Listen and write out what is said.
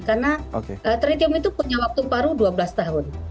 karena tritium itu punya waktu paru dua belas tahun